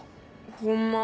ホンマ？